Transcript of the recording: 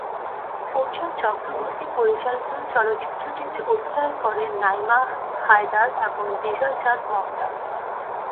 অর্জুন চক্রবর্তী পরিচালিত চলচ্চিত্রটিতে অভিনয় করেন নাইমা হায় দার এবং বিজয় চাঁদ মহতাব।